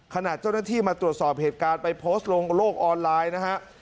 ขณะเจ้าหน้าที่มาตรวจสอบเหตุการณ์ไปโพสต์ลงโลกออนไลน์นะฮะ